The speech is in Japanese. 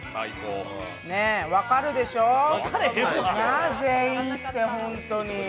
分かるでしょ全員してホントに。